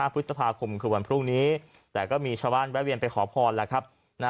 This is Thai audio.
พฤษภาคมคือวันพรุ่งนี้แต่ก็มีชาวบ้านแวะเวียนไปขอพรแล้วครับ